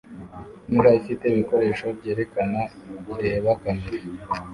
Imbwa ifite ibikoresho byerekana ireba kamera